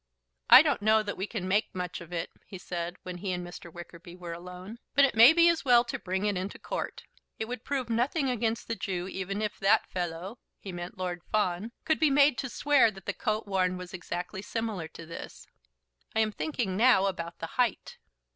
"I don't know that we can make much of it," he said, when he and Mr. Wickerby were alone, "but it may be as well to bring it into court. It would prove nothing against the Jew even if that fellow," he meant Lord Fawn, "could be made to swear that the coat worn was exactly similar to this. I am thinking now about the height."